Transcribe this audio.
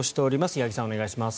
八木さん、お願いします。